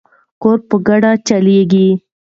کور په ګډه چلیږي.